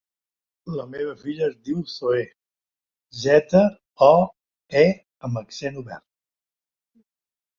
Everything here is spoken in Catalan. La meva filla es diu Zoè: zeta, o, e amb accent obert.